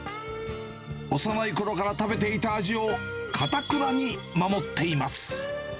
幼いころから食べていた味を、かたくなに守っています。